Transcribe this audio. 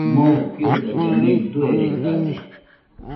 Moo fiodailla mei dueredade